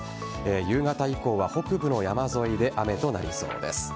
夕方以降は北部の山沿いで雨となりそうです。